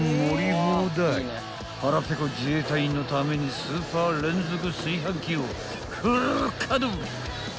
［腹ペコ自衛隊員のためにスーパー連続炊飯器をフル稼働］